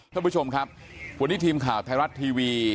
ท่านผู้ชมครับวันนี้ทีมข่าวไทยรัฐทีวี